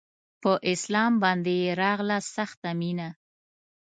په اسلام باندې يې راغله سخته مينه